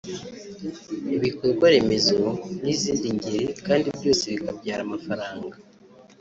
ibikorwa remezo n’izindi ngeri kandi byose bikabyara amafaranga